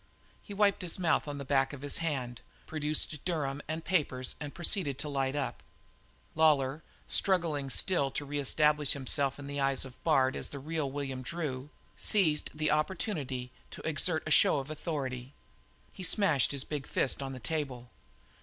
He wiped his mouth on the back of his hand, produced Durham and papers, and proceeded to light up. Lawlor, struggling still to re establish himself in the eyes of Bard as the real William Drew, seized the opportunity to exert a show of authority. He smashed his big fist on the table.